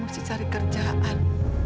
aku mesti cari kerjaan